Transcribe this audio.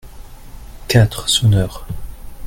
Quatre sonneurs.